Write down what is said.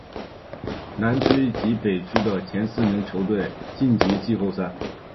南区及北区的前四名球队晋级季后赛。